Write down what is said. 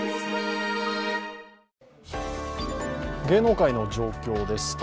芸能界の状況です。